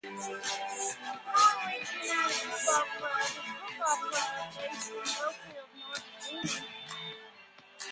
Norwich United Football Club is a football club based in Blofield, Norfolk, England.